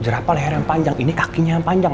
berapa leher yang panjang ini kakinya yang panjang